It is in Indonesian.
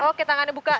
oke tangannya buka